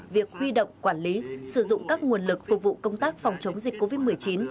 việc huy động quản lý sử dụng các nguồn lực phục vụ công tác phòng chống dịch covid một mươi chín